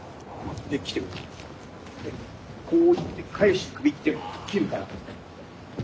こういって返して首斬るから。